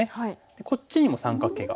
こっちにも三角形が。